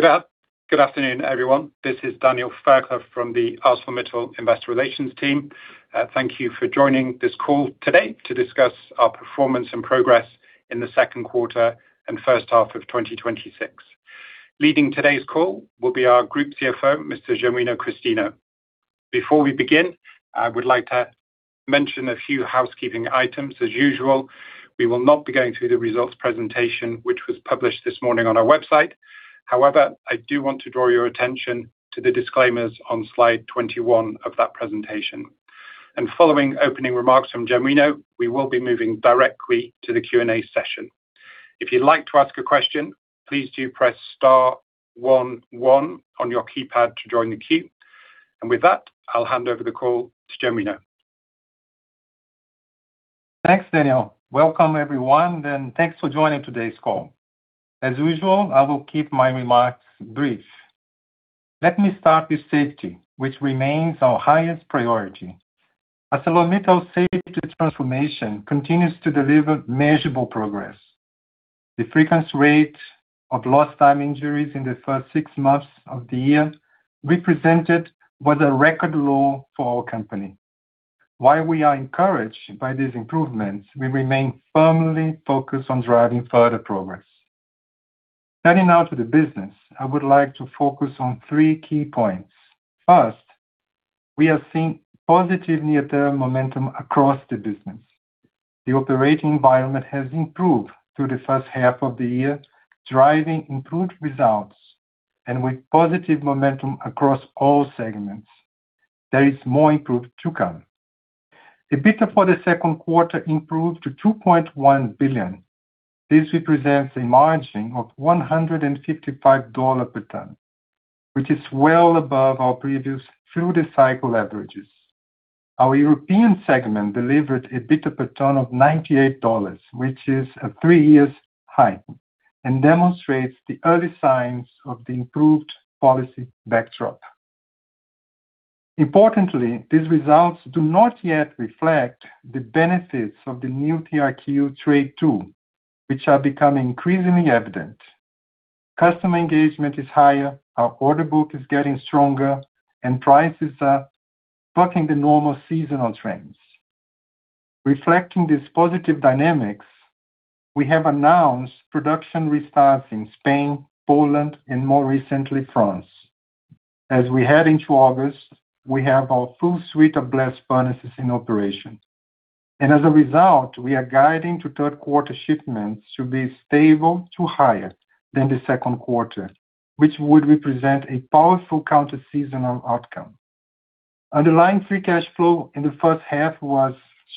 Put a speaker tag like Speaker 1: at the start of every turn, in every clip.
Speaker 1: Good afternoon, everyone. This is Daniel Fairclough from the ArcelorMittal Investor Relations team. Thank you for joining this call today to discuss our performance and progress in the second quarter and first half of 2026. Leading today's call will be our Group CFO, Mr. Genuino Christino. Before we begin, I would like to mention a few housekeeping items. As usual, we will not be going through the results presentation, which was published this morning on our website. However, I do want to draw your attention to the disclaimers on slide 21 of that presentation. Following opening remarks from Genuino, we will be moving directly to the Q&A session. If you'd like to ask a question, please do press star one one on your keypad to join the queue. With that, I'll hand over the call to Genuino.
Speaker 2: Thanks, Daniel. Welcome everyone, and thanks for joining today's call. As usual, I will keep my remarks brief. Let me start with safety, which remains our highest priority. ArcelorMittal Safety Transformation continues to deliver measurable progress. The frequency rate of lost time injuries in the first six months of the year was a record low for our company. While we are encouraged by these improvements, we remain firmly focused on driving further progress. Turning now to the business, I would like to focus on three key points. First, we are seeing positive near-term momentum across the business. The operating environment has improved through the first half of the year, driving improved results, and with positive momentum across all segments. There is more improvement to come. EBITDA for the second quarter improved to $2.1 billion. This represents a margin of $155 per ton, which is well above our previous through-the-cycle averages. Our European segment delivered an EBITDA per ton of $98, which is a three-years high, and demonstrates the early signs of the improved policy backdrop. Importantly, these results do not yet reflect the benefits of the new TRQ trade tool, which are becoming increasingly evident. Customer engagement is higher, our order book is getting stronger, and prices are bucking the normal seasonal trends. Reflecting these positive dynamics, we have announced production restarts in Spain, Poland and more recently France. As we head into August, we have our full suite of blast furnaces in operation. As a result, we are guiding to third quarter shipments to be stable to higher than the second quarter, which would represent a powerful counterseasonal outcome. Underlying free cash flow in the first half was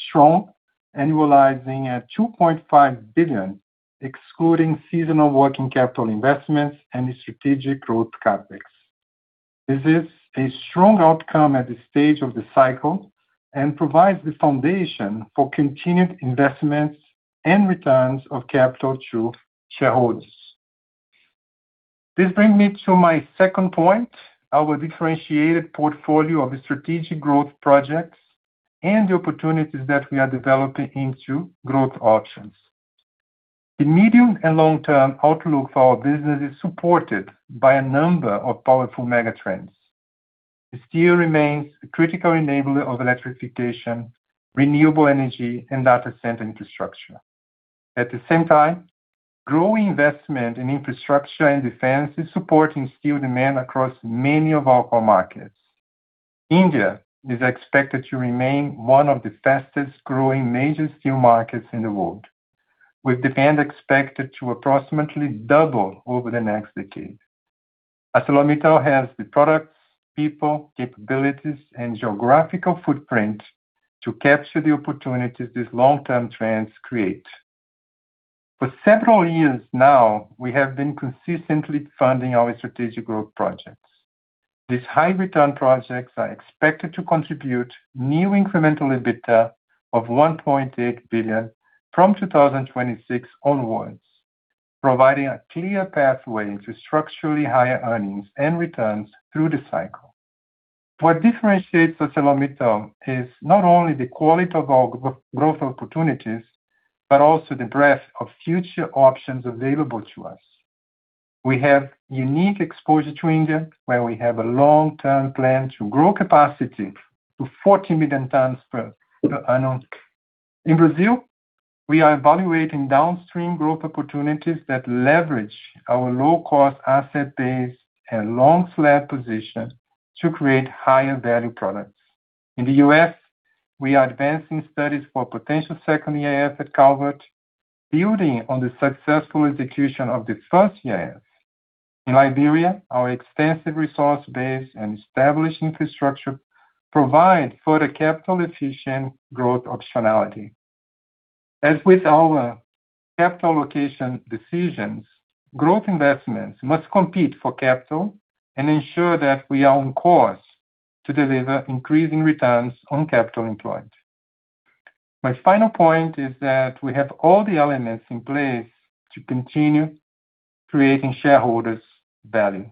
Speaker 2: strong, annualizing at $2.5 billion, excluding seasonal working capital investments and the strategic growth CapEx. This is a strong outcome at this stage of the cycle and provides the foundation for continued investments and returns of capital to shareholders. This brings me to my second point, our differentiated portfolio of strategic growth projects and the opportunities that we are developing into growth options. The medium- and long-term outlook for our business is supported by a number of powerful megatrends. Steel remains a critical enabler of electrification, renewable energy, and data center infrastructure. At the same time, growing investment in infrastructure and defense is supporting steel demand across many of our core markets. India is expected to remain one of the fastest-growing major steel markets in the world, with demand expected to approximately double over the next decade. ArcelorMittal has the products, people, capabilities, and geographical footprint to capture the opportunities these long-term trends create. For several years now, we have been consistently funding our strategic growth projects. These high-return projects are expected to contribute new incremental EBITDA of $1.8 billion from 2026 onwards, providing a clear pathway to structurally higher earnings and returns through the cycle. What differentiates ArcelorMittal is not only the quality of our growth opportunities, but also the breadth of future options available to us. We have unique exposure to India, where we have a long-term plan to grow capacity to 40 million tons per annum. In Brazil, we are evaluating downstream growth opportunities that leverage our low-cost asset base and long slab position to create higher value products. In the U.S., we are advancing studies for potential second EAF at Calvert, building on the successful execution of the first EAF. In Liberia, our extensive resource base and established infrastructure provide further capital-efficient growth optionality. As with our capital allocation decisions, growth investments must compete for capital and ensure that we are on course to deliver increasing returns on capital employed. My final point is that we have all the elements in place to continue creating shareholders value.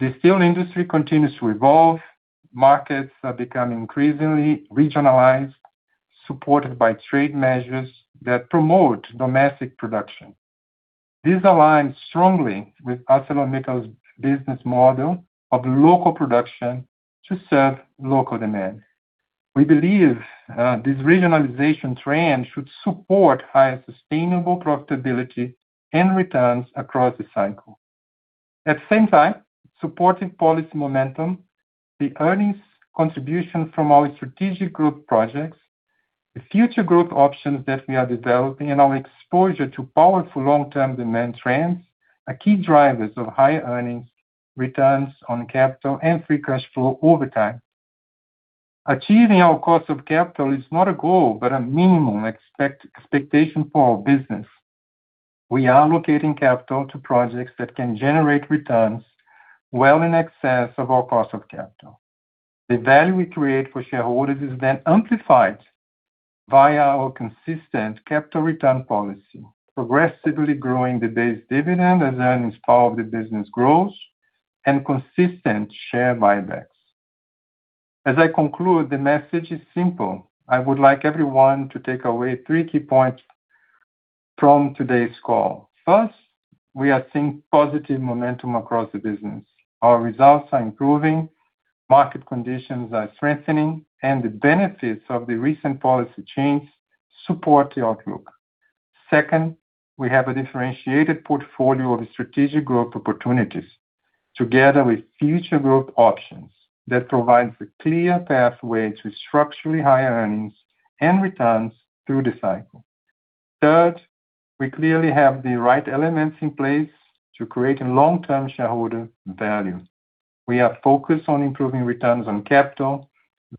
Speaker 2: The steel industry continues to evolve. Markets are becoming increasingly regionalized, supported by trade measures that promote domestic production. This aligns strongly with ArcelorMittal's business model of local production to serve local demand. We believe this regionalization trend should support higher sustainable profitability and returns across the cycle. At the same time, supporting policy momentum, the earnings contribution from our strategic growth projects, the future growth options that we are developing, and our exposure to powerful long-term demand trends are key drivers of higher earnings, returns on capital and free cash flow over time. Achieving our cost of capital is not a goal, but a minimum expectation for our business. We are allocating capital to projects that can generate returns well in excess of our cost of capital. The value we create for shareholders is then amplified via our consistent capital return policy, progressively growing the base dividend as earnings power of the business grows and consistent share buybacks. As I conclude, the message is simple. I would like everyone to take away three key points from today's call. First, we are seeing positive momentum across the business. Our results are improving, market conditions are strengthening, and the benefits of the recent policy change support the outlook. Second, we have a differentiated portfolio of strategic growth opportunities together with future growth options that provides a clear pathway to structurally higher earnings and returns through the cycle. Third, we clearly have the right elements in place to create a long-term shareholder value. We are focused on improving returns on capital,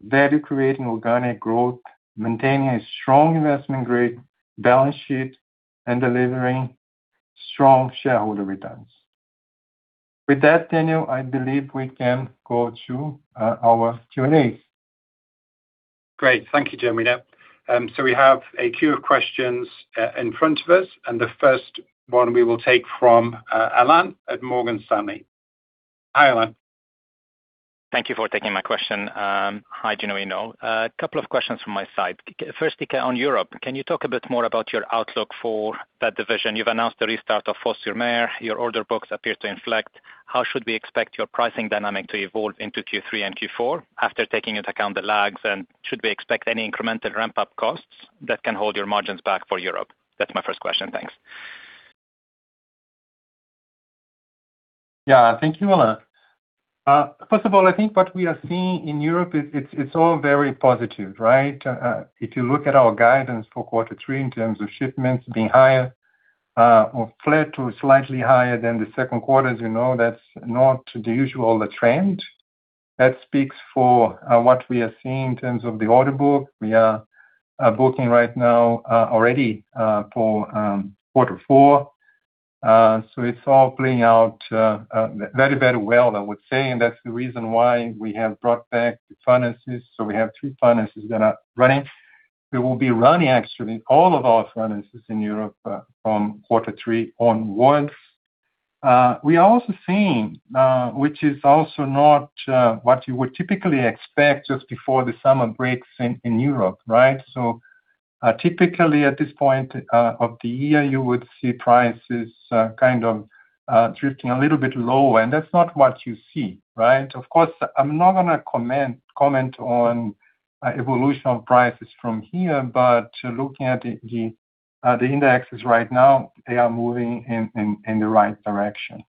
Speaker 2: value creating organic growth, maintaining a strong investment grade balance sheet, and delivering strong shareholder returns. With that, Daniel, I believe we can go to our Q&A.
Speaker 1: Thank you, Genuino. We have a queue of questions in front of us, and the first one we will take from Alain at Morgan Stanley. Hi, Alain.
Speaker 3: Thank you for taking my question. Hi, Genuino. A couple of questions from my side. First, on Europe, can you talk a bit more about your outlook for that division? You've announced the restart of Fos-sur-Mer. Your order books appear to inflect. How should we expect your pricing dynamic to evolve into Q3 and Q4 after taking into account the lags, and should we expect any incremental ramp-up costs that can hold your margins back for Europe? That's my first question. Thanks.
Speaker 2: Yeah. Thank you, Alain. First of all, I think what we are seeing in Europe, it's all very positive, right? If you look at our guidance for quarter three in terms of shipments being higher or flat to slightly higher than the second quarter, as you know, that's not the usual trend. That speaks for what we are seeing in terms of the order book. We are booking right now already for quarter four. It's all playing out very, very well, I would say, and that's the reason why we have brought back the furnaces, so we have three furnaces running. We will be running, actually, all of our furnaces in Europe from quarter three onwards. We are also seeing, which is also not what you would typically expect just before the summer breaks in Europe, right? Typically, at this point of the year, you would see prices kind of drifting a little bit lower, and that's not what you see, right? Of course, I'm not going to comment on evolution of prices from here, but looking at the indexes right now, they are moving in the right direction.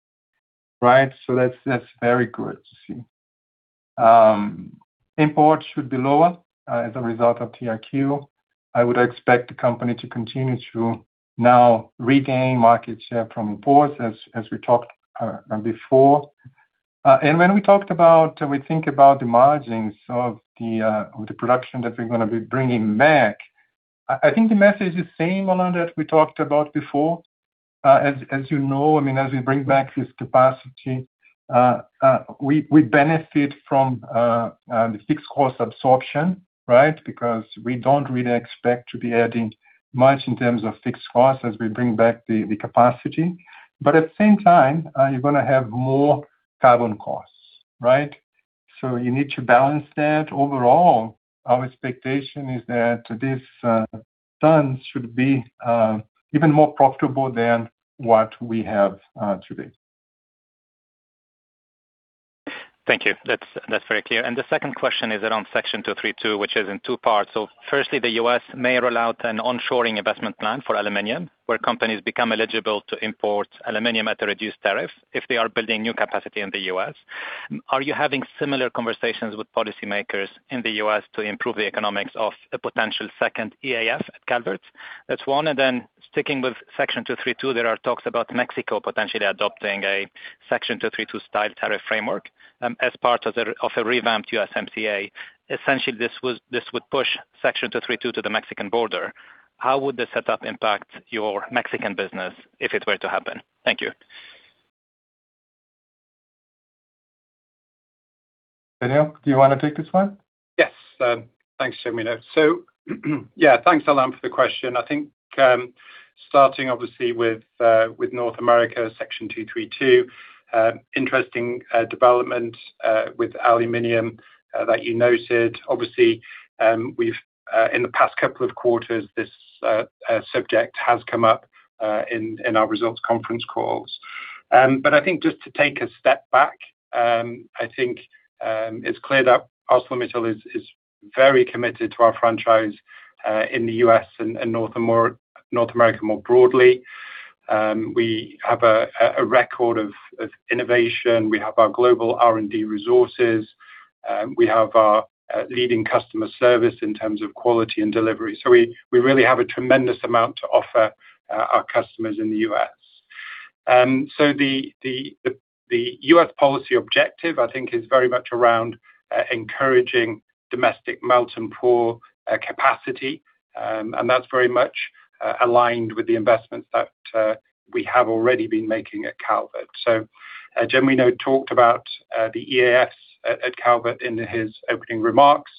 Speaker 2: That's very good to see. Import should be lower as a result of TRQ. I would expect the company to continue to now regain market share from imports, as we talked before. When we think about the margins of the production that we're going to be bringing back, I think the message is same, Alain, that we talked about before. As you know, as we bring back this capacity, we benefit from the fixed cost absorption, right? We don't really expect to be adding much in terms of fixed costs as we bring back the capacity. At the same time, you're going to have more carbon costs, right? You need to balance that. Overall, our expectation is that these tons should be even more profitable than what we have today.
Speaker 3: Thank you. That's very clear. The second question is around Section 232, which is in two parts. Firstly, the U.S. may roll out an on-shoring investment plan for aluminum, where companies become eligible to import aluminum at a reduced tariff if they are building new capacity in the U.S. Are you having similar conversations with policymakers in the U.S. to improve the economics of a potential second EAF at Calvert? That's one. Sticking with Section 232, there are talks about Mexico potentially adopting a Section 232 style tariff framework as part of a revamped USMCA. Essentially, this would push Section 232 to the Mexican border. How would this setup impact your Mexican business if it were to happen? Thank you.
Speaker 2: Daniel, do you want to take this one?
Speaker 1: Yes. Thanks, Genuino. Thanks, Alain, for the question. I think starting obviously with North America, Section 232, interesting development with aluminum that you noted. Obviously, in the past couple of quarters, this subject has come up in our results conference calls. I think just to take a step back, I think it's clear that ArcelorMittal is very committed to our franchise in the U.S. and North America more broadly. We have a record of innovation. We have our global R&D resources. We have our leading customer service in terms of quality and delivery. We really have a tremendous amount to offer our customers in the U.S. The U.S. policy objective, I think, is very much around encouraging domestic melt and pour capacity. That's very much aligned with the investments that we have already been making at Calvert. Genuino talked about the EAF at Calvert in his opening remarks.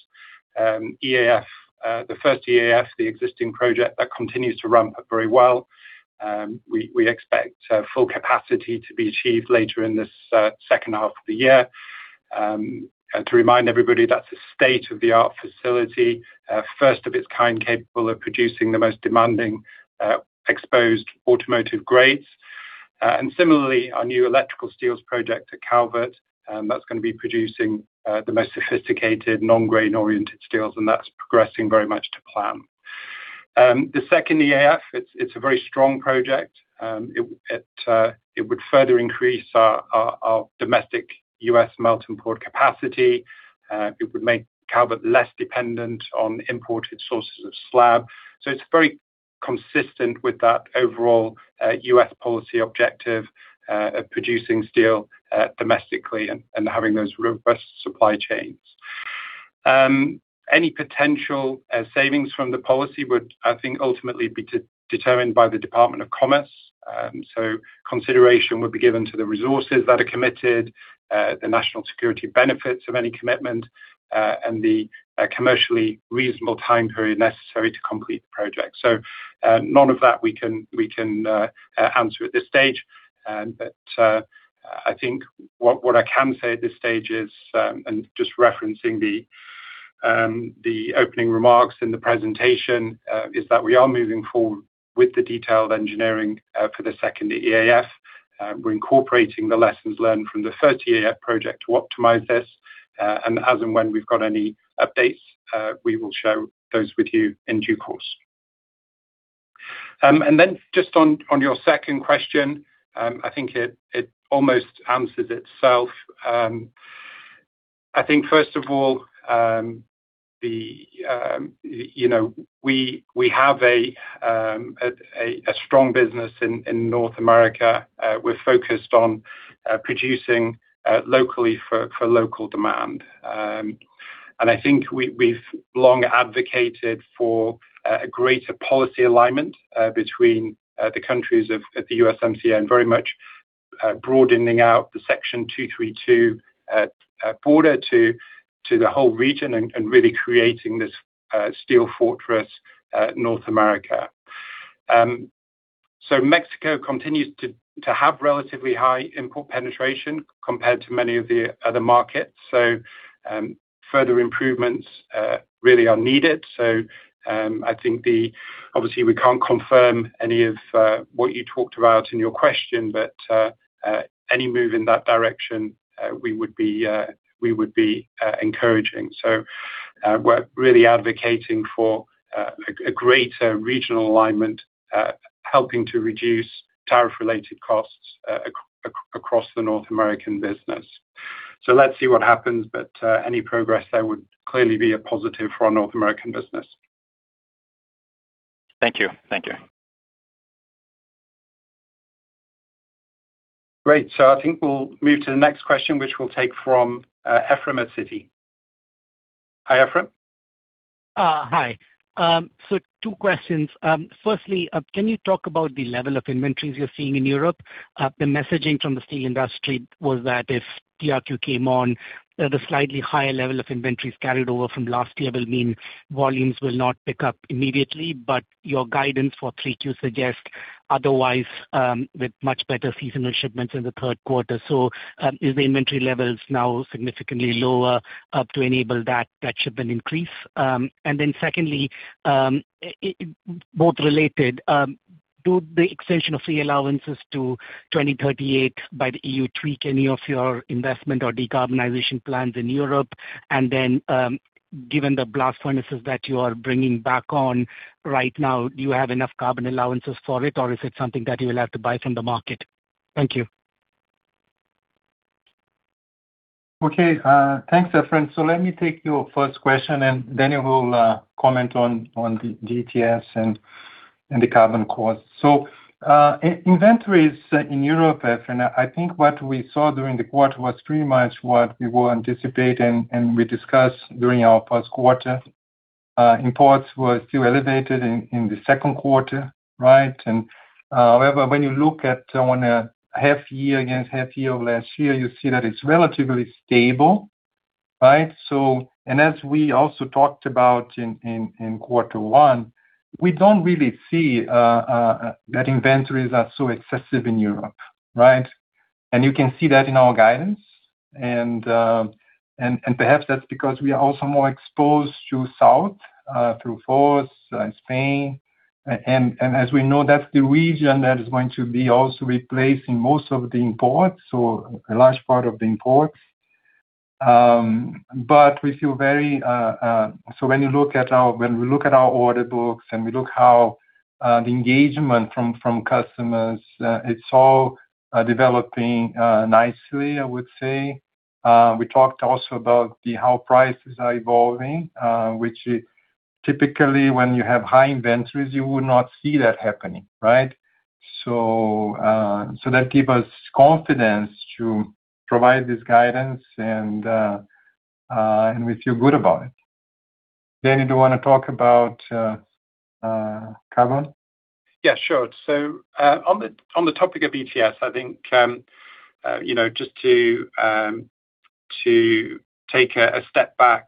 Speaker 1: The first EAF, the existing project, that continues to ramp up very well. We expect full capacity to be achieved later in this second half of the year. To remind everybody, that's a state-of-the-art facility, first of its kind, capable of producing the most demanding exposed automotive grades. Similarly, our new electrical steels project at Calvert, that's going to be producing the most sophisticated non-grain-oriented steels, and that's progressing very much to plan. The second EAF, it's a very strong project. It would further increase our domestic U.S. melt and pour capacity. It would make Calvert less dependent on imported sources of slab. It's very consistent with that overall U.S. policy objective of producing steel domestically and having those robust supply chains. Any potential savings from the policy would, I think, ultimately be determined by the Department of Commerce. Consideration would be given to the resources that are committed, the national security benefits of any commitment, and the commercially reasonable time period necessary to complete the project. None of that we can answer at this stage. I think what I can say at this stage is, and just referencing the opening remarks in the presentation, is that we are moving forward with the detailed engineering for the second EAF. We're incorporating the lessons learned from the first EAF project to optimize this. As and when we've got any updates, we will share those with you in due course. Then just on your second question, I think it almost answers itself. I think first of all, we have a strong business in North America. We're focused on producing locally for local demand. I think we've long advocated for a greater policy alignment between the countries of the USMCA and very much broadening out the Section 232 border to the whole region and really creating this steel fortress North America. Mexico continues to have relatively high import penetration compared to many of the other markets. Further improvements really are needed. I think obviously we can't confirm any of what you talked about in your question, but any move in that direction, we would be encouraging. We're really advocating for a greater regional alignment, helping to reduce tariff related costs across the North American business. Let's see what happens, but any progress there would clearly be a positive for our North American business.
Speaker 3: Thank you.
Speaker 1: Great. I think we'll move to the next question, which we'll take from Ephrem at Citi. Hi, Ephrem.
Speaker 4: Hi. Two questions. Firstly, can you talk about the level of inventories you're seeing in Europe? The messaging from the steel industry was that if TRQ came on, the slightly higher level of inventories carried over from last year will mean volumes will not pick up immediately. Your guidance for 3Q suggests otherwise, with much better seasonal shipments in the third quarter. Is the inventory levels now significantly lower to enable that shipment increase? Secondly, both related, do the extension of free allowances to 2038 by the EU tweak any of your investment or decarbonization plans in Europe? Given the blast furnaces that you are bringing back on right now, do you have enough carbon allowances for it, or is it something that you will have to buy from the market? Thank you.
Speaker 2: Okay, thanks Ephrem. Let me take your first question, and Daniel will comment on the ETS and the carbon cost. Inventories in Europe, Ephrem, I think what we saw during the quarter was pretty much what we were anticipating and we discussed during our first quarter. Imports were still elevated in the second quarter. However, when you look at on a half-year against half-year of last year, you see that it's relatively stable. As we also talked about in quarter one, we don't really see that inventories are so excessive in Europe. You can see that in our guidance. Perhaps that's because we are also more exposed to south, through France and Spain. As we know, that's the region that is going to be also replacing most of the imports, so a large part of the imports. When we look at our order books and we look how the engagement from customers, it's all developing nicely, I would say. We talked also about how prices are evolving, which typically when you have high inventories, you would not see that happening. That give us confidence to provide this guidance, and we feel good about it. Daniel, do you want to talk about carbon?
Speaker 1: Yeah, sure. On the topic of ETS, I think just to take a step back,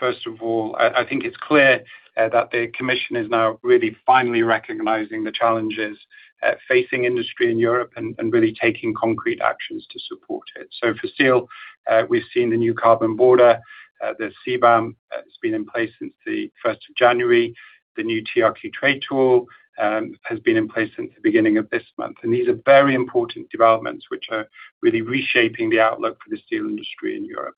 Speaker 1: first of all, I think it's clear that the Commission is now really finally recognizing the challenges facing industry in Europe and really taking concrete actions to support it. For steel, we've seen the new carbon border, the CBAM, that's been in place since the 1st of January. The new TRQ trade tool has been in place since the beginning of this month. These are very important developments, which are really reshaping the outlook for the steel industry in Europe.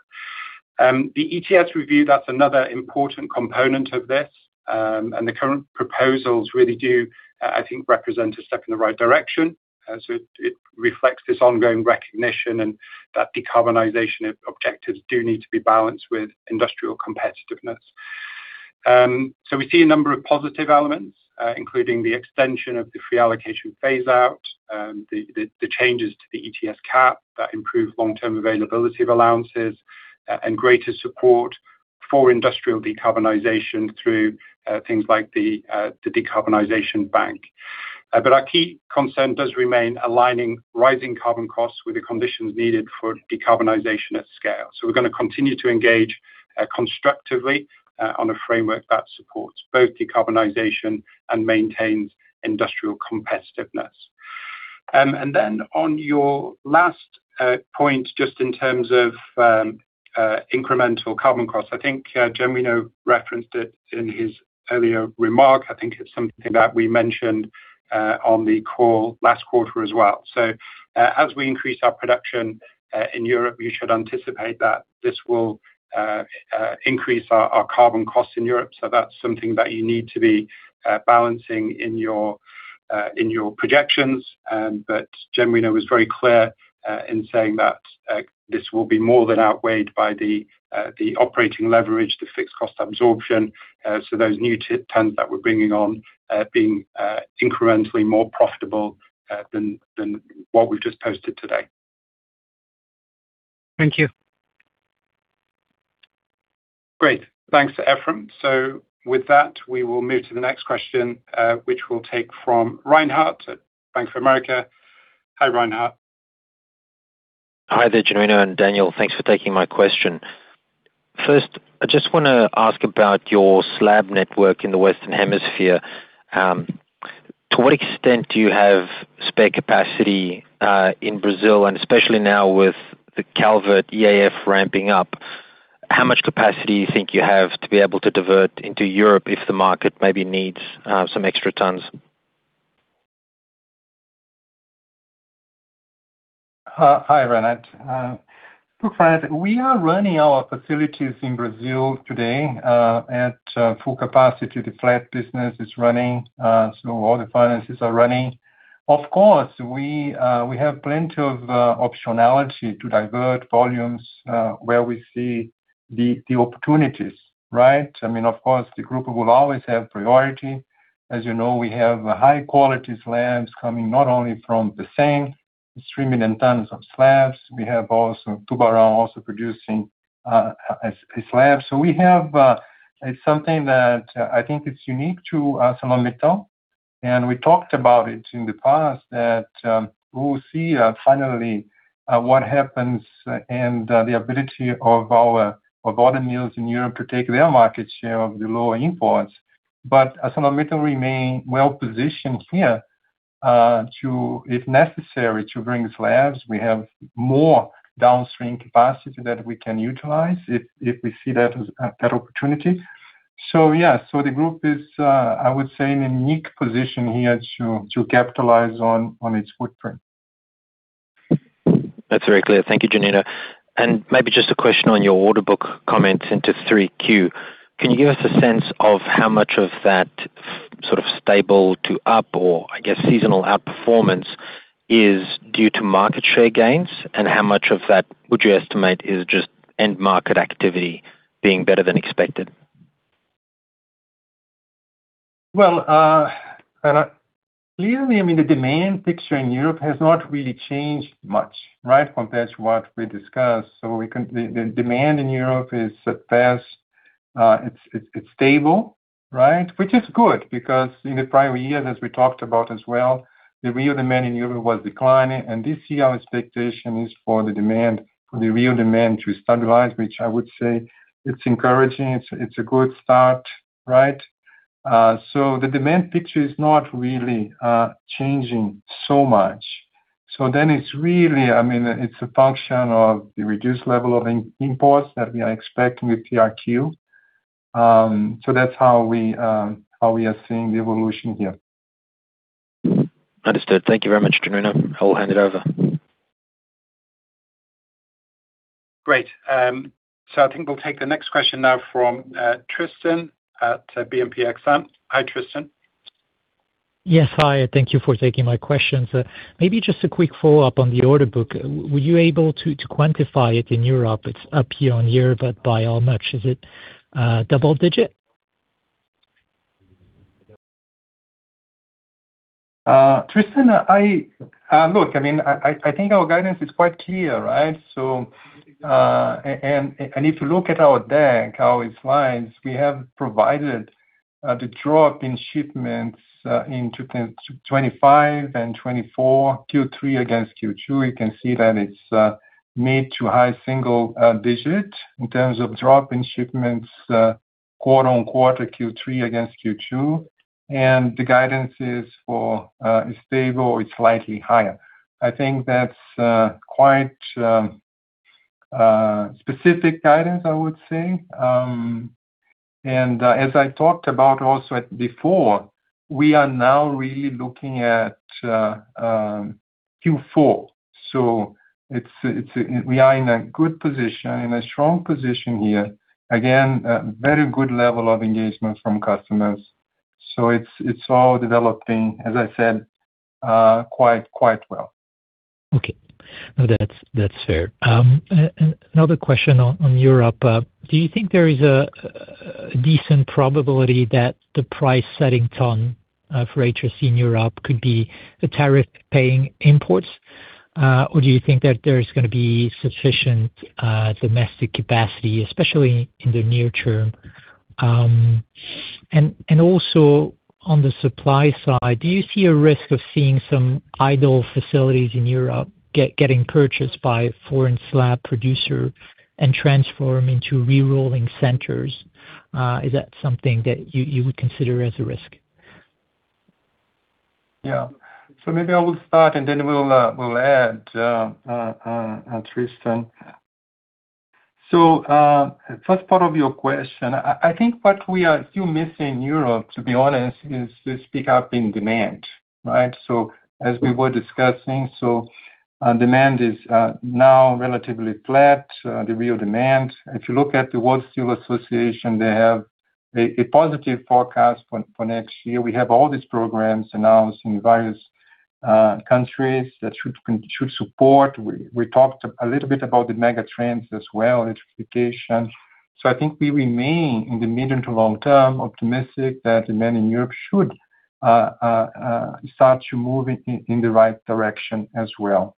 Speaker 1: The ETS review, that's another important component of this. The current proposals really do represent a step in the right direction. It reflects this ongoing recognition and that decarbonization objectives do need to be balanced with industrial competitiveness. We see a number of positive elements, including the extension of the free allocation phase-out, the changes to the ETS cap that improve long-term availability of allowances, and greater support for industrial decarbonization through things like the Industrial Decarbonisation Bank. Our key concern does remain aligning rising carbon costs with the conditions needed for decarbonization at scale. We're going to continue to engage constructively on a framework that supports both decarbonization and maintains industrial competitiveness. Then on your last point, just in terms of incremental carbon costs, I think Genuino referenced it in his earlier remark. I think it's something that we mentioned on the call last quarter as well. As we increase our production in Europe, you should anticipate that this will increase our carbon costs in Europe. That's something that you need to be balancing in your projections. Genuino was very clear in saying that this will be more than outweighed by the operating leverage, the fixed cost absorption. Those new tons that we're bringing on are being incrementally more profitable than what we've just posted today.
Speaker 4: Thank you.
Speaker 1: Great. Thanks, Ephrem. With that, we will move to the next question, which we will take from Reinhardt at Bank of America. Hi, Reinhardt.
Speaker 5: Hi there, Genuino and Daniel. Thanks for taking my question. First, I just want to ask about your slab network in the Western Hemisphere. To what extent do you have spare capacity in Brazil, and especially now with the Calvert EAF ramping up, how much capacity you think you have to be able to divert into Europe if the market maybe needs some extra tons?
Speaker 2: Hi, Reinhardt. Look, we are running our facilities in Brazil today at full capacity. The flat business is running. All the furnaces are running. Of course, we have plenty of optionality to divert volumes, where we see the opportunities. Of course, the group will always have priority. As you know, we have high quality slabs coming not only from the same 3 million tons of slabs, we have also Tubarão also producing slabs. We have something that I think is unique to ArcelorMittal, and we talked about it in the past that we will see finally what happens and the ability of other mills in Europe to take their market share of the lower imports. ArcelorMittal remain well-positioned here, if necessary, to bring slabs. We have more downstream capacity that we can utilize if we see that opportunity. Yeah. The group is, I would say, in a unique position here to capitalize on its footprint.
Speaker 5: That's very clear. Thank you, Genuino. Maybe just a question on your order book comments into 3Q. Can you give us a sense of how much of that stable to up or, I guess, seasonal outperformance is due to market share gains, and how much of that would you estimate is just end market activity being better than expected?
Speaker 2: Well, clearly, the demand picture in Europe has not really changed much compared to what we discussed. The demand in Europe is stable. Which is good, because in the prior years, as we talked about as well, the real demand in Europe was declining. This year, our expectation is for the real demand to stabilize, which I would say it's encouraging. It's a good start. The demand picture is not really changing so much. Then it's a function of the reduced level of imports that we are expecting with TRQ. That's how we are seeing the evolution here.
Speaker 5: Understood. Thank you very much, Genuino. I'll hand it over.
Speaker 1: Great. I think we'll take the next question now from Tristan at BNP Exane. Hi, Tristan.
Speaker 6: Yes. Hi, thank you for taking my questions. Maybe just a quick follow-up on the order book. Were you able to quantify it in Europe? It's up year-over-year, by how much? Is it double digit?
Speaker 2: Tristan, look, I think our guidance is quite clear. If you look at our deck, our slides, we have provided the drop in shipments in 2025 and 2024, Q3 against Q2. You can see that it's mid to high single digit in terms of drop in shipments quarter-over-quarter, Q3 against Q2. The guidance is for stable or slightly higher. I think that's quite specific guidance, I would say. As I talked about also before, we are now really looking at Q4, we are in a good position, in a strong position here. Again, a very good level of engagement from customers. It's all developing, as I said, quite well.
Speaker 6: Okay. No, that's fair. Another question on Europe. Do you think there is a decent probability that the price setting ton for HRC in Europe could be the tariff paying imports? Do you think that there is going to be sufficient domestic capacity, especially in the near term? Also on the supply side, do you see a risk of seeing some idle facilities in Europe getting purchased by foreign slab producer and transform into re-rolling centers? Is that something that you would consider as a risk?
Speaker 2: Yeah. Maybe I will start and then we'll add, Tristan. First part of your question, I think what we are still missing in Europe, to be honest, is the speak up in demand. As we were discussing, demand is now relatively flat, the real demand. If you look at the World Steel Association, they have a positive forecast for next year. We have all these programs announced in various countries that should support. We talked a little bit about the mega trends as well, electrification. I think we remain, in the medium to long term, optimistic that demand in Europe should start to move in the right direction as well.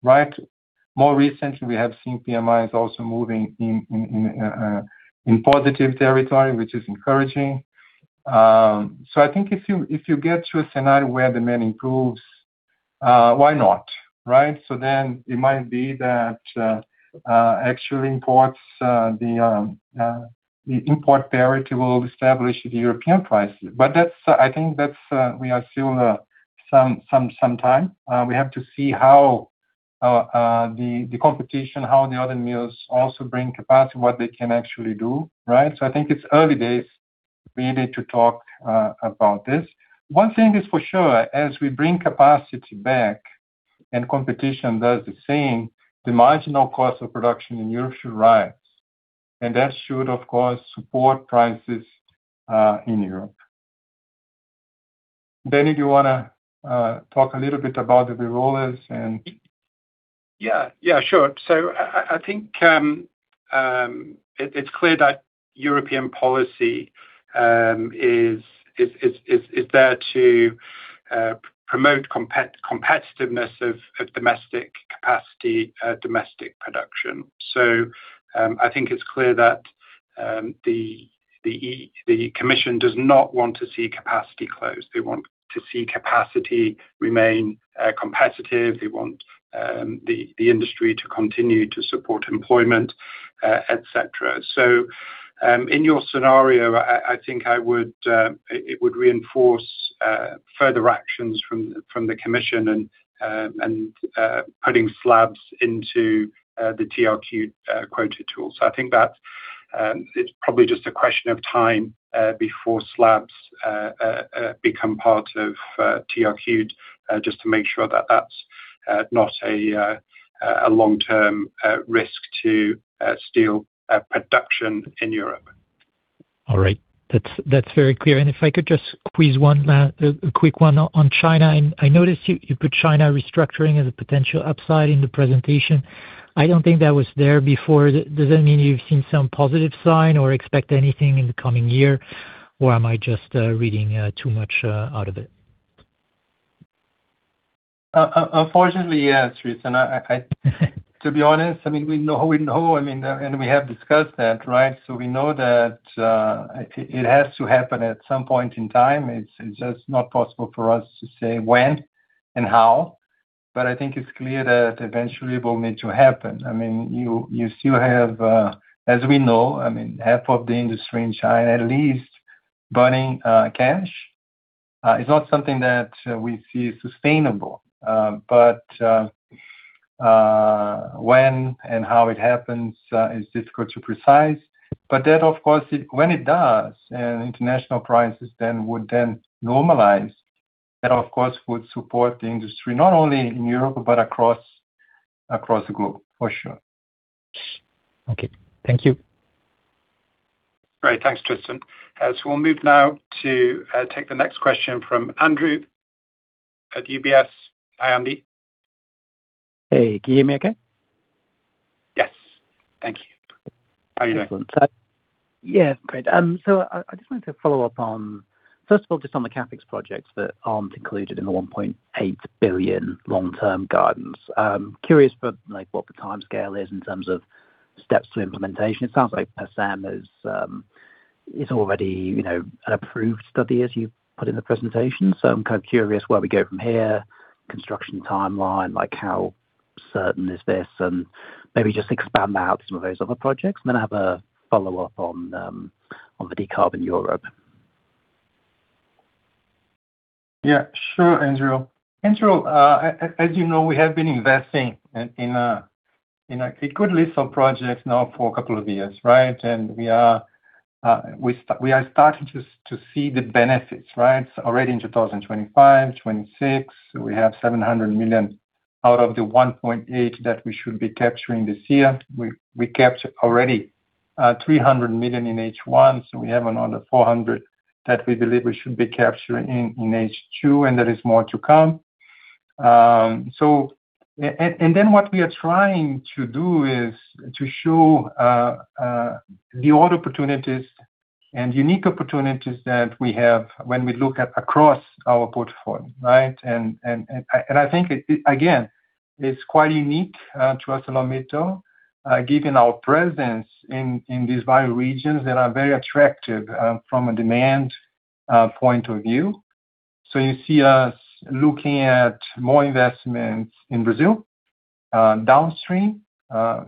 Speaker 2: More recently, we have seen PMIs also moving in positive territory, which is encouraging. I think if you get to a scenario where demand improves, why not? It might be that actually imports, the import parity will establish the European prices. I think we are still some time. We have to see how the competition, how the other mills also bring capacity, what they can actually do. I think it's early days really to talk about this. One thing is for sure, as we bring capacity back and competition does the same, the marginal cost of production in Europe should rise, and that should, of course, support prices in Europe. Daniel, do you want to talk a little bit about the re-rollers and-
Speaker 1: Sure. I think it's clear that European policy is there to promote competitiveness of domestic capacity, domestic production. I think it's clear that the commission does not want to see capacity close. They want to see capacity remain competitive. They want the industry to continue to support employment, et cetera. In your scenario, I think it would reinforce further actions from the commission and putting slabs into the TRQ quota tool. I think that it's probably just a question of time before slabs become part of TRQ, just to make sure that that's not a long-term risk to steel production in Europe.
Speaker 6: All right. That's very clear. If I could just squeeze a quick one on China. I noticed you put China restructuring as a potential upside in the presentation. I don't think that was there before. Does that mean you've seen some positive sign or expect anything in the coming year? Am I just reading too much out of it?
Speaker 2: Unfortunately, yes, Tristan. To be honest, we know, and we have discussed that. We know that it has to happen at some point in time. It's just not possible for us to say when and how. I think it's clear that eventually it will need to happen. You still have, as we know, half of the industry in China, at least burning cash. It's not something that we see is sustainable. When and how it happens is difficult to precise. That, of course, when it does, international prices would then normalize. That, of course, would support the industry, not only in Europe, but across the globe, for sure.
Speaker 6: Okay. Thank you.
Speaker 1: Great. Thanks, Tristan. We'll move now to take the next question from Andrew at UBS. Hi, Andy.
Speaker 7: Hey, can you hear me okay?
Speaker 1: Yes. Thank you. How are you doing?
Speaker 7: Excellent. Great. I just wanted to follow up on, first of all, just on the CapEx projects that aren't included in the $1.8 billion long-term guidance. I am curious for what the timescale is in terms of steps to implementation. It sounds like Essam is already an approved study, as you put in the presentation. I am kind of curious where we go from here, construction timeline, how certain is this, and maybe just expand out some of those other projects. Then I have a follow-up on the Decarbon Europe.
Speaker 2: Sure, Andrew. Andrew, as you know, we have been investing in a good list of projects now for a couple of years. We are starting to see the benefits. Already in 2025, 2026, we have $700 million out of the $1.8 billion that we should be capturing this year. We captured already $300 million in H1. We have another $400 million that we believe we should be capturing in H2, and there is more to come. What we are trying to do is to show all opportunities and unique opportunities that we have when we look at across our portfolio. I think, again, it is quite unique to ArcelorMittal, given our presence in these five regions that are very attractive from a demand point of view. You see us looking at more investments in Brazil, downstream,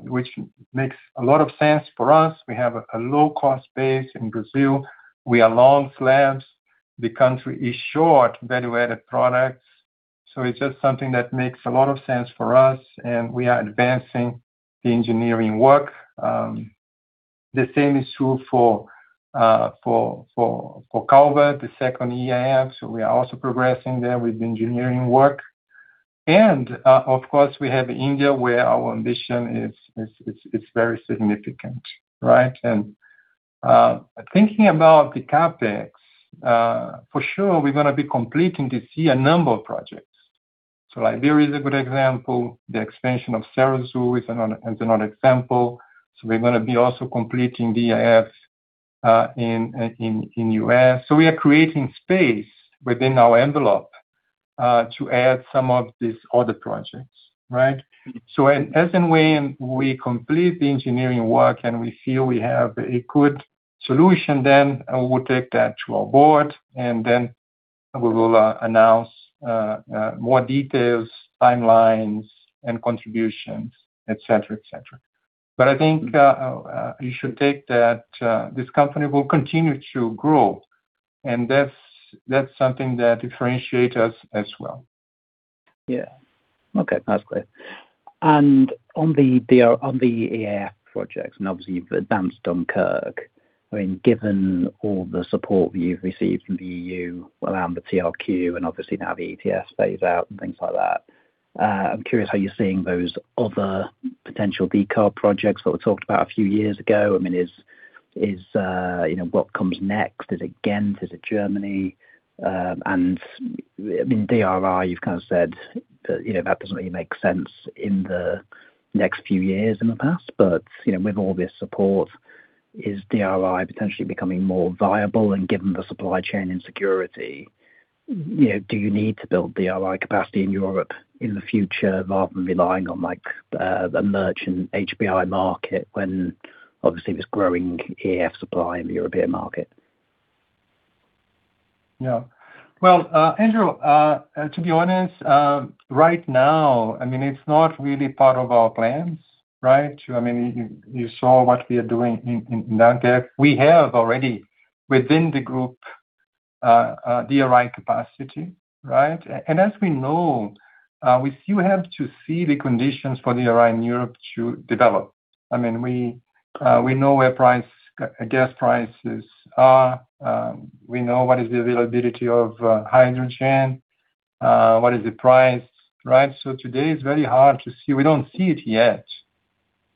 Speaker 2: which makes a lot of sense for us. We have a low-cost base in Brazil. We are long slabs. The country is short value-added products. It is just something that makes a lot of sense for us, and we are advancing the engineering work. The same is true for Calvert, the second EAF. We are also progressing there with the engineering work. Of course, we have India, where our ambition is very significant. Thinking about the CapEx, for sure, we are going to be completing this year a number of projects. Liberia is a good example. The expansion of Serra Azul is another example. We are going to be also completing the EAF in U.S. We are creating space within our envelope to add some of these other projects. As and when we complete the engineering work and we feel we have a good solution, then we will take that to our board, and we will announce more details, timelines, and contributions, et cetera. I think you should take that this company will continue to grow, and that is something that differentiates us as well.
Speaker 7: Yeah. Okay. That's clear. On the EAF projects, obviously you've advanced on Dunkirk. Given all the support you've received from the EU around the TRQ and obviously now the ETS phase out and things like that, I'm curious how you're seeing those other potential decarb projects that were talked about a few years ago. What comes next? Is it Ghent? Is it Germany? DRI, you've kind of said that that doesn't really make sense in the next few years in the past. With all this support, is DRI potentially becoming more viable? Given the supply chain insecurity, do you need to build DRI capacity in Europe in the future rather than relying on the merchant HBI market when obviously there's growing EAF supply in the European market?
Speaker 2: Yeah. Well, Andrew, to be honest, right now, it's not really part of our plans. You saw what we are doing in Dunkirk. We have already, within the group, DRI capacity. As we know, we still have to see the conditions for DRI in Europe to develop. We know where gas prices are. We know what is the availability of hydrogen. What is the price. Today it's very hard to see. We don't see it yet,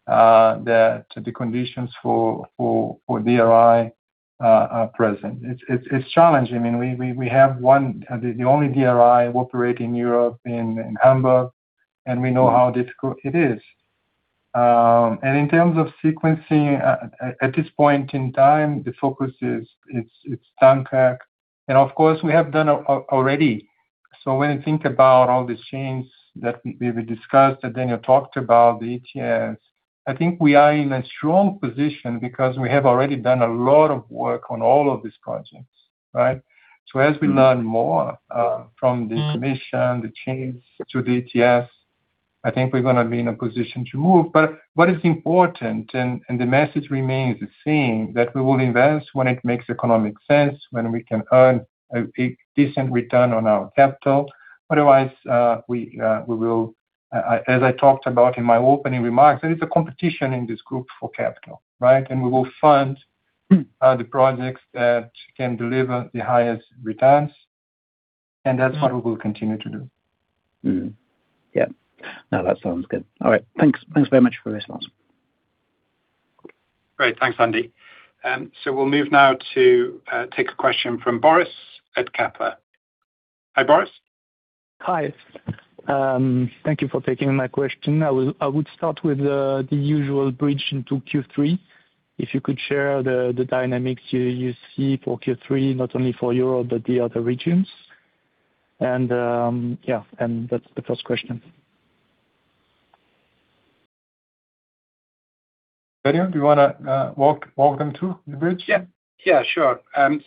Speaker 2: that the conditions for DRI are present. It's challenging. We have the only DRI operating in Europe, in Hamburg, and we know how difficult it is. In terms of sequencing, at this point in time, the focus is Dunkir. Of course, we have done already. When you think about all the changes that we discussed, that Daniel talked about, the ETS, I think we are in a strong position because we have already done a lot of work on all of these projects. As we learn more from this commission, the changes to the ETS, I think we're going to be in a position to move. What is important, and the message remains the same, that we will invest when it makes economic sense, when we can earn a decent return on our capital. Otherwise, as I talked about in my opening remarks, there is a competition in this group for capital. We will fund the projects that can deliver the highest returns, and that's what we will continue to do.
Speaker 7: Yeah. No, that sounds good. All right. Thanks very much for the response.
Speaker 1: Great. Thanks, Andy. We'll move now to take a question from Boris at Kepler Cheuvreux. Hi, Boris.
Speaker 8: Hi. Thank you for taking my question. I would start with the usual bridge into Q3. If you could share the dynamics you see for Q3, not only for Europe, but the other regions. That's the first question.
Speaker 2: Daniel, do you want to walk them through the bridge?
Speaker 1: Sure. I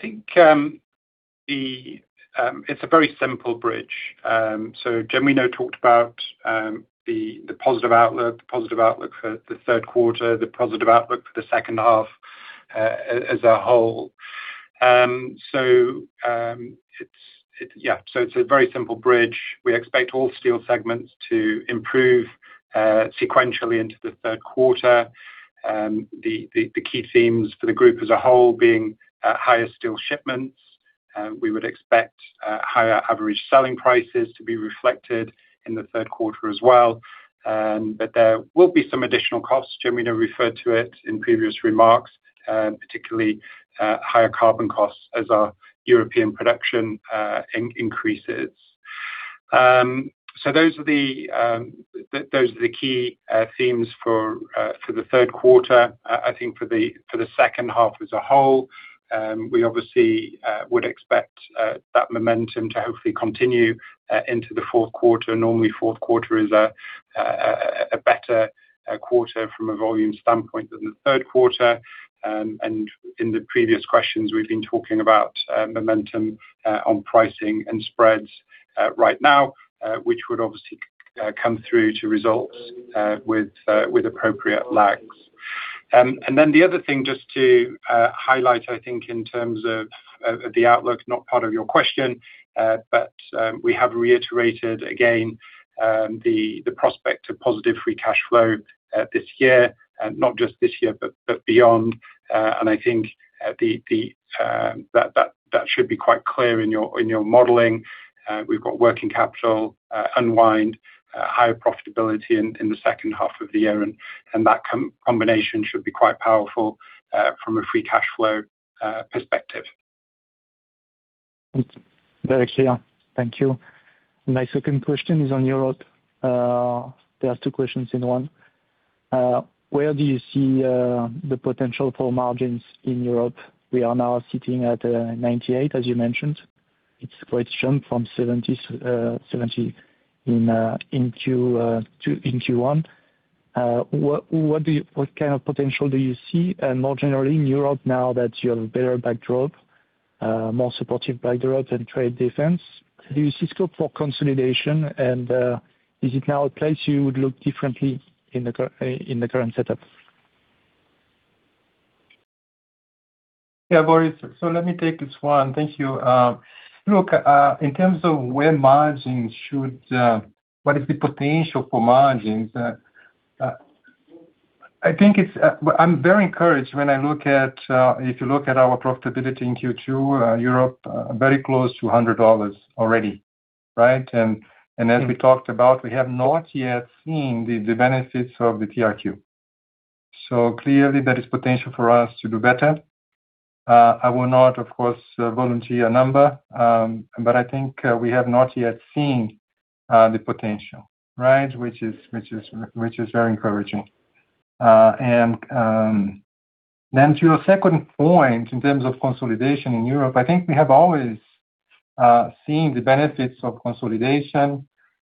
Speaker 1: think it's a very simple bridge. Genuino talked about the positive outlook, the positive outlook for the third quarter, the positive outlook for the second half as a whole. It's a very simple bridge. We expect all steel segments to improve sequentially into the third quarter. The key themes for the group as a whole being higher steel shipments. We would expect higher average selling prices to be reflected in the third quarter as well. There will be some additional costs. Genuino referred to it in previous remarks, particularly higher carbon costs as our European production increases. Those are the key themes for the third quarter. I think for the second half as a whole, we obviously would expect that momentum to hopefully continue into the fourth quarter. Normally, fourth quarter is a better quarter from a volume standpoint than the third quarter. In the previous questions, we've been talking about momentum on pricing and spreads right now, which would obviously come through to results with appropriate lags. The other thing just to highlight, I think in terms of the outlook, not part of your question, but we have reiterated again the prospect of positive free cash flow this year. Not just this year, but beyond. I think that should be quite clear in your modeling. We've got working capital unwind higher profitability in the second half of the year, and that combination should be quite powerful from a free cash flow perspective.
Speaker 8: Very clear. Thank you. My second question is on Europe. There are two questions in one. Where do you see the potential for margins in Europe? We are now sitting at 98, as you mentioned. It's quite a jump from 70 in Q1. What kind of potential do you see? More generally in Europe now that you have better backdrop, more supportive backdrop than trade defense, do you see scope for consolidation? Is it now a place you would look differently in the current setup?
Speaker 2: Boris. Let me take this one. Thank you. Look, in terms of where margins should, what is the potential for margins? I'm very encouraged when I look at, if you look at our profitability in Q2, Europe, very close to $100 already. Right? As we talked about, we have not yet seen the benefits of the TRQ. Clearly there is potential for us to do better. I will not, of course, volunteer a number. I think we have not yet seen the potential. Which is very encouraging. To your second point, in terms of consolidation in Europe, I think we have always seen the benefits of consolidation.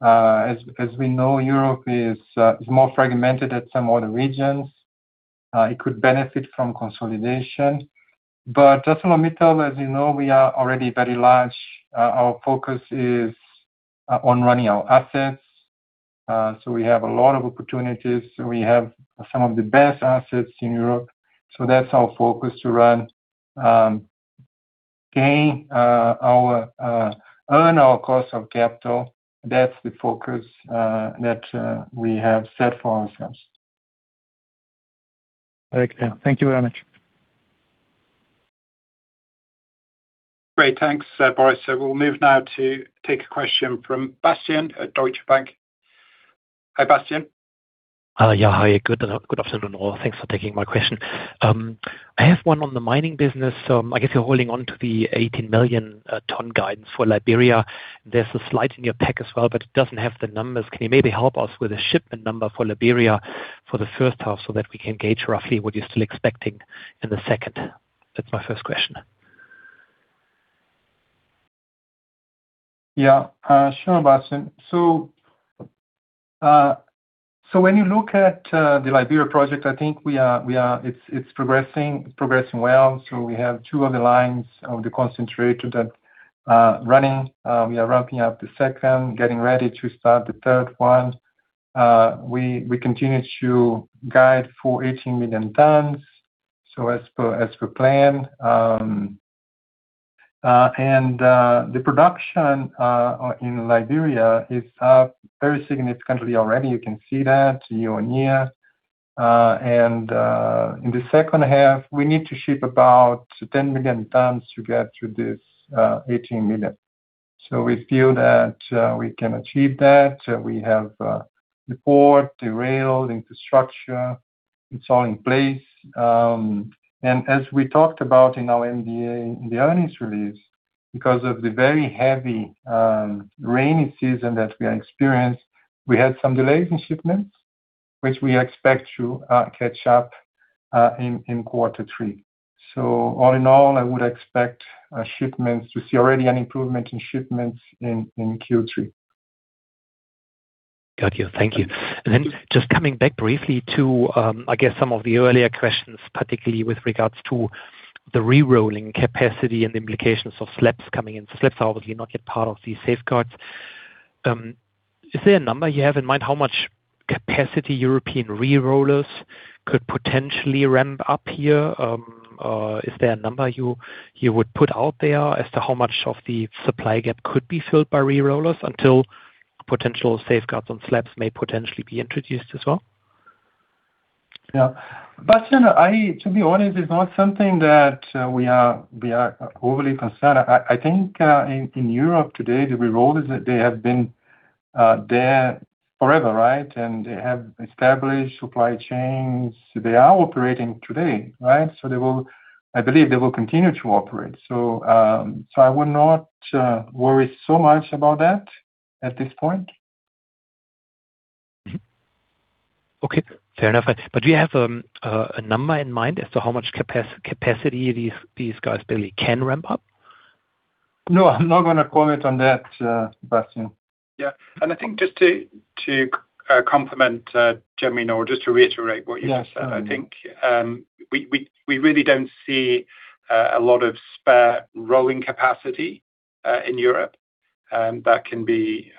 Speaker 2: As we know, Europe is more fragmented than some other regions. It could benefit from consolidation. ArcelorMittal, as you know, we are already very large. Our focus is on running our assets. We have a lot of opportunities. We have some of the best assets in Europe. That's our focus to run, earn our cost of capital. That's the focus that we have set for ourselves.
Speaker 8: Very clear. Thank you very much.
Speaker 1: Great. Thanks, Boris. We'll move now to take a question from Bastian at Deutsche Bank. Hi, Bastian.
Speaker 9: Yeah. Hi. Good afternoon. Thanks for taking my question. I have one on the mining business. I guess you're holding onto the 18 million tons guidance for Liberia. There's a slide in your pack as well, but it doesn't have the numbers. Can you maybe help us with a shipment number for Liberia for the first half so that we can gauge roughly what you're still expecting in the second? That's my first question.
Speaker 2: Yeah. Sure, Bastian. When you look at the Liberia project, I think it's progressing well. We have two of the lines of the concentrator that are running. We are ramping up the second, getting ready to start the third one. We continue to guide for 18 million tons, as per plan. The production in Liberia is up very significantly already. You can see that year on year. In the second half, we need to ship about 10 million tons to get to this 18 million. We feel that we can achieve that. We have the port, the rail, the infrastructure, it's all in place. As we talked about in our MD&A, in the earnings release, because of the very heavy rainy season that we experienced, we had some delays in shipments, which we expect to catch up in quarter three. All in all, I would expect to see already an improvement in shipments in Q3.
Speaker 9: Got you. Thank you. Then just coming back briefly to, I guess, some of the earlier questions, particularly with regards to the re-rolling capacity and the implications of slabs coming in. Slabs are obviously not yet part of these safeguards. Is there a number you have in mind how much capacity European re-rollers could potentially ramp up here? Is there a number you would put out there as to how much of the supply gap could be filled by re-rollers until potential safeguards on slabs may potentially be introduced as well?
Speaker 2: Yeah. Bastian, to be honest, it's not something that we are overly concerned. I think in Europe today, the re-rollers, they have been there forever, right? They have established supply chains. They are operating today, right? I believe they will continue to operate. I would not worry so much about that at this point.
Speaker 9: Okay, fair enough. Do you have a number in mind as to how much capacity these guys really can ramp up?
Speaker 2: No, I'm not going to comment on that, Bastian.
Speaker 1: Yeah. I think just to compliment Genuino, just to reiterate what you said. I think we really don't see a lot of spare rolling capacity in Europe that can be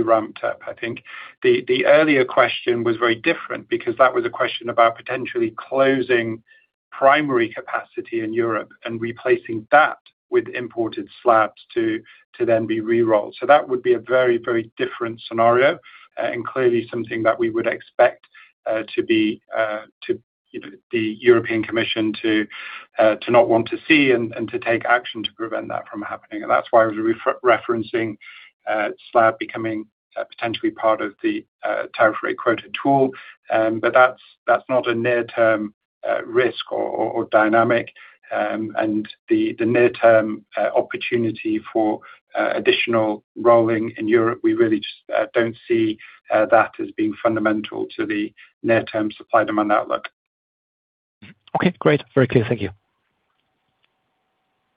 Speaker 1: ramped up, I think. The earlier question was very different because that was a question about potentially closing primary capacity in Europe and replacing that with imported slabs to then be re-rolled. That would be a very different scenario and clearly something that we would expect the European Commission to not want to see and to take action to prevent that from happening. That's why I was referencing slab becoming potentially part of the tariff rate quota tool. That's not a near-term risk or dynamic. The near-term opportunity for additional rolling in Europe, we really just don't see that as being fundamental to the near-term supply demand outlook.
Speaker 9: Okay, great. Very clear. Thank you.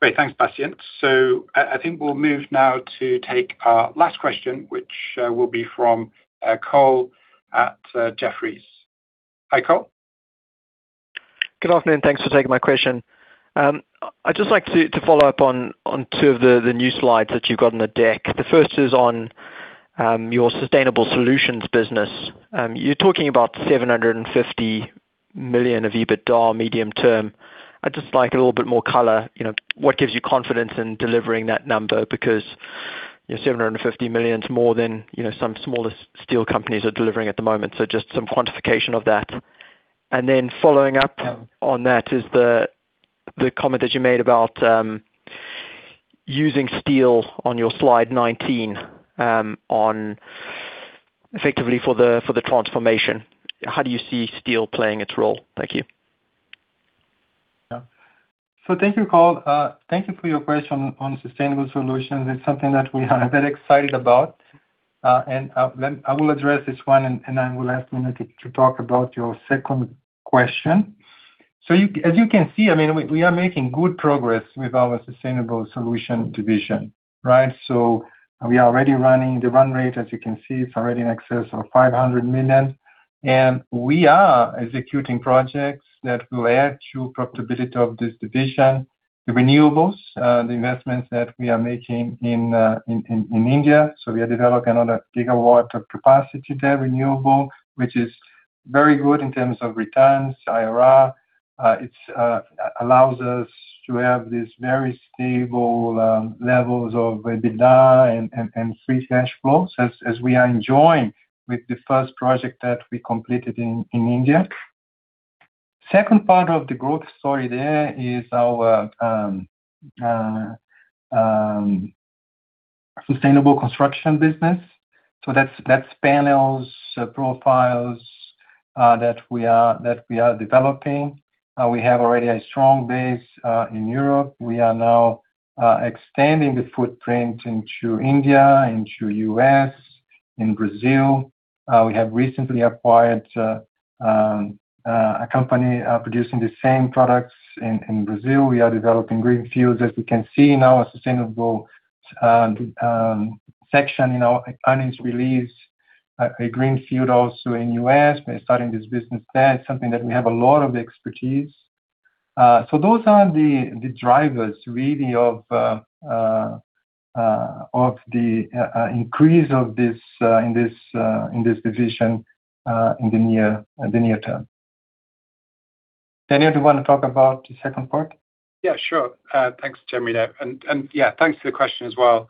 Speaker 1: Great. Thanks, Bastian. I think we'll move now to take our last question, which will be from Cole at Jefferies. Hi, Cole.
Speaker 10: Good afternoon. Thanks for taking my question. I'd just like to follow up on two of the new slides that you've got on the deck. The first is on your sustainable solutions business. You're talking about $750 million of EBITDA medium term. I'd just like a little bit more color, what gives you confidence in delivering that number? Because $750 million is more than some smaller steel companies are delivering at the moment. Just some quantification of that. Then following up on that is the comment that you made about using steel on your slide 19 effectively for the transformation. How do you see steel playing its role? Thank you.
Speaker 2: Thank you, Cole. Thank you for your question on sustainable solutions. It's something that we are very excited about. I will address this one and I will ask Daniel to talk about your second question. As you can see, we are making good progress with our sustainable solution division, right? We are already running the run rate, as you can see, it's already in excess of $500 million. We are executing projects that will add to profitability of this division. The renewables, the investments that we are making in India. We are developing another gigawatt of capacity there, renewable, which is very good in terms of returns, IRR. It allows us to have these very stable levels of EBITDA and free cash flow, as we are enjoying with the first project that we completed in India. Second part of the growth story there is our sustainable construction business. That's panels, profiles that we are developing. We have already a strong base in Europe. We are now expanding the footprint into India, into U.S. In Brazil, we have recently acquired a company producing the same products in Brazil. We are developing greenfields, as we can see now, a sustainable section in our earnings release, a greenfield also in U.S. We're starting this business there, something that we have a lot of expertise. Those are the drivers, really, of the increase in this division in the near term. Daniel, do you want to talk about the second part?
Speaker 1: Yeah, sure. Thanks, Genuino. Yeah, thanks for the question as well,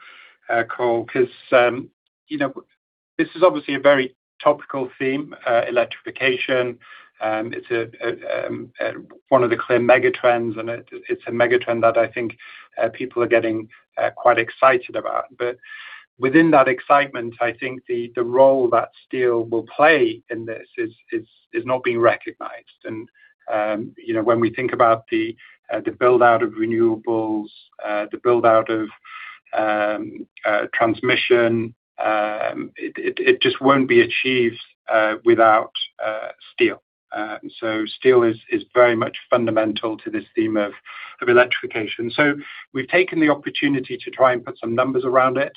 Speaker 1: Cole, because this is obviously a very topical theme, electrification. It's one of the clear mega trends, and it's a mega trend that I think people are getting quite excited about. Within that excitement, I think the role that steel will play in this is not being recognized. When we think about the build-out of renewables, the build-out of transmission, it just won't be achieved without steel. Steel is very much fundamental to this theme of electrification. We've taken the opportunity to try and put some numbers around it.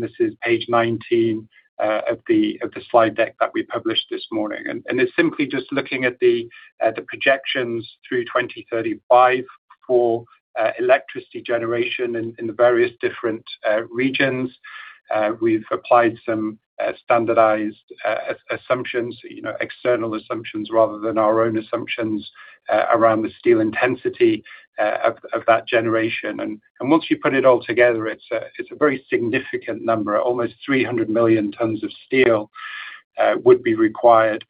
Speaker 1: This is page 19 of the slide deck that we published this morning. It's simply just looking at the projections through 2035 for electricity generation in the various different regions. We've applied some standardized assumptions, external assumptions rather than our own assumptions, around the steel intensity of that generation. Once you put it all together, it's a very significant number. Almost 300 million tons of steel would be required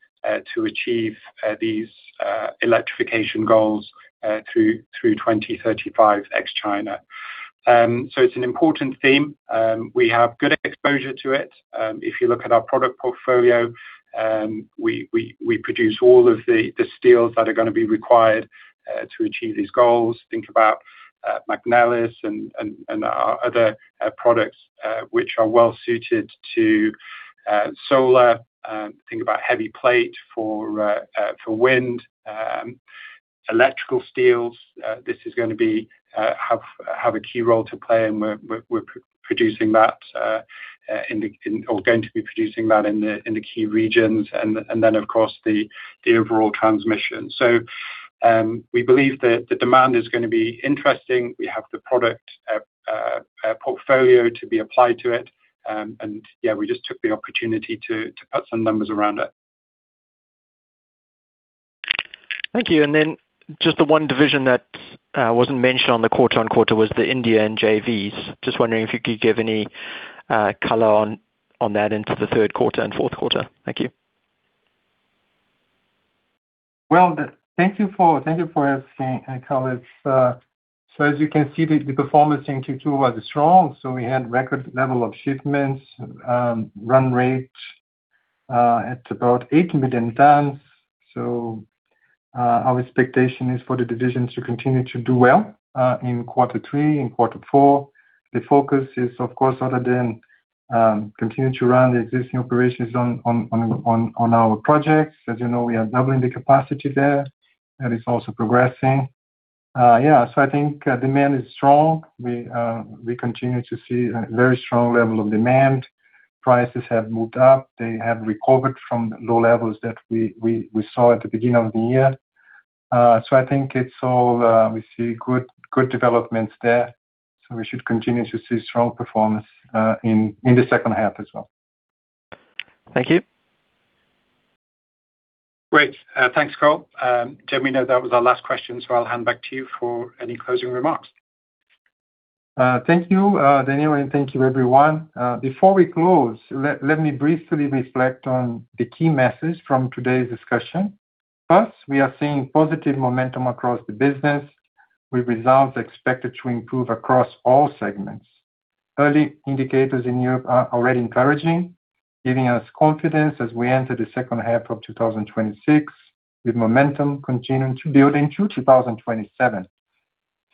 Speaker 1: to achieve these electrification goals through 2035, ex-China. It's an important theme. We have good exposure to it. If you look at our product portfolio, we produce all of the steels that are going to be required to achieve these goals. Think about magnetics and our other products, which are well suited to solar. Think about heavy plate for wind, electrical steels. This is going to have a key role to play, and we're producing that, or going to be producing that in the key regions. Then, of course, the overall transmission. We believe that the demand is going to be interesting. We have the product portfolio to be applied to it, yeah, we just took the opportunity to put some numbers around it.
Speaker 10: Thank you. Then just the one division that wasn't mentioned on the quarter-on-quarter was the India and JVs. Just wondering if you could give any color on that into the third quarter and fourth quarter. Thank you.
Speaker 2: Well, thank you for asking, Cole. As you can see, the performance in Q2 was strong. We had record level of shipments, run rate at about 8 million tons. Our expectation is for the divisions to continue to do well in quarter three and quarter four. The focus is, of course, other than continue to run the existing operations on our projects. As you know, we are doubling the capacity there. That is also progressing. I think demand is strong. We continue to see a very strong level of demand. Prices have moved up. They have recovered from low levels that we saw at the beginning of the year. I think we see good developments there. We should continue to see strong performance in the second half as well.
Speaker 10: Thank you.
Speaker 1: Great. Thanks, Cole. Genuino, that was our last question. I'll hand back to you for any closing remarks.
Speaker 2: Thank you, Daniel. Thank you, everyone. Before we close, let me briefly reflect on the key message from today's discussion. First, we are seeing positive momentum across the business, with results expected to improve across all segments. Early indicators in Europe are already encouraging, giving us confidence as we enter the second half of 2026, with momentum continuing to build into 2027.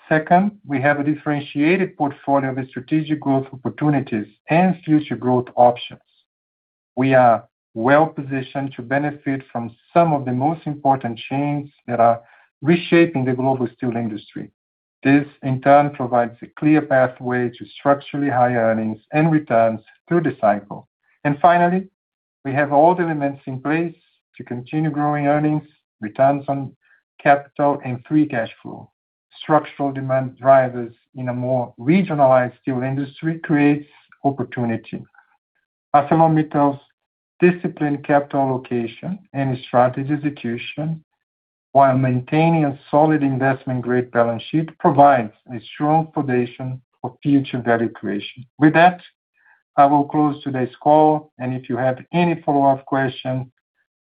Speaker 2: Second, we have a differentiated portfolio of strategic growth opportunities and future growth options. We are well-positioned to benefit from some of the most important changes that are reshaping the global steel industry. This, in turn, provides a clear pathway to structurally high earnings and returns through the cycle. Finally, we have all the elements in place to continue growing earnings, returns on capital, and free cash flow. Structural demand drivers in a more regionalized steel industry creates opportunity. ArcelorMittal's disciplined capital allocation and strategy execution while maintaining a solid investment-grade balance sheet provides a strong foundation for future value creation. With that, I will close today's call, and if you have any follow-up questions,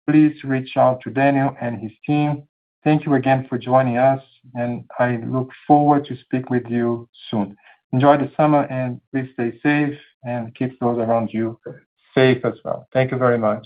Speaker 2: please reach out to Daniel and his team. Thank you again for joining us, and I look forward to speak with you soon. Enjoy the summer and please stay safe and keep those around you safe as well. Thank you very much.